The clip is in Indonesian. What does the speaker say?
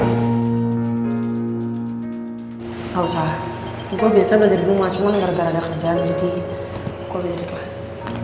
gak usah gue biasanya belajar di rumah cuman gara gara ada kerjaan jadi gue belajar di kelas